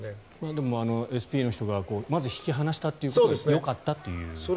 でも、ＳＰの人がまず引き離したことがよかったということですね。